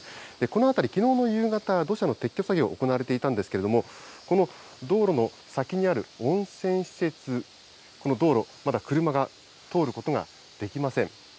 この辺り、きのうの夕方、土砂の撤去作業、行われていたんですけれども、この道路の先にある温泉施設、この道路、まだ車が通ることができません。